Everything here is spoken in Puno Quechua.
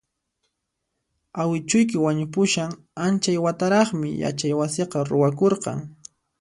Awichuyki wañupushan anchay wataraqmi yachaywasiqa ruwakurqan